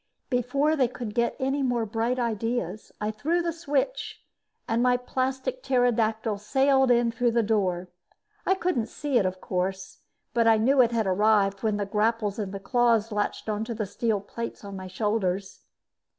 Before they could get any more bright ideas, I threw the switch and my plastic pterodactyl sailed in through the door. I couldn't see it, of course, but I knew it had arrived when the grapples in the claws latched onto the steel plates on my shoulders.